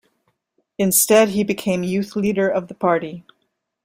Instead he became youth leader of the party.